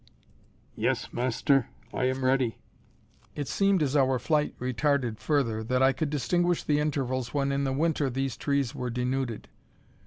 "Yes, Master. I am ready." It seemed, as our flight retarded further, that I could distinguish the intervals when in the winter these trees were denuded.